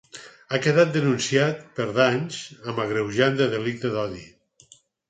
Ha quedat denunciat per danys amb agreujant de delicte d’odi.